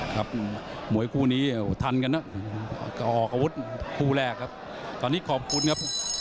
ครับมวยคู่นี้ทันกันนะก็ออกอาวุธคู่แรกครับตอนนี้ขอบคุณครับ